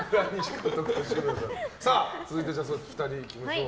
続いて、２人いきましょう。